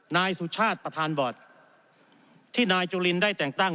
นายสุชาติประธานบอร์ดที่นายจุลินได้แต่งตั้ง